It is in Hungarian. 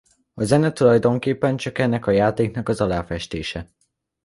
A zene tulajdonképpen csak ennek a játéknak az aláfestése.